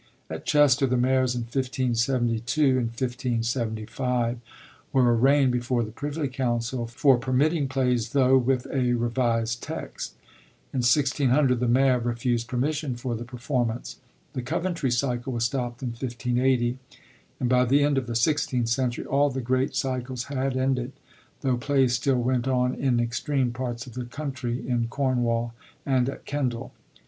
* At Chester the mayors in 1672 and 1575 wei>e arraignd before the Privy Council for permitting plays, tho* with a re vised text ; in 1600 the mayor refused permission for the performance.* The Coventry cycle was stopt in 1580; and by the end of the sixteenth century all the great cycles had ended, tho' plays still went on in extreme parts of the country, in Cornwall and at Kendal.